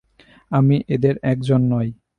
আমি এদের একজন নই!